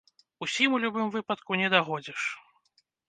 Усім, у любым выпадку, не дагодзіш.